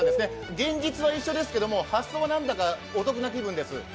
現実は一緒ですけど、発想はお得な気分です。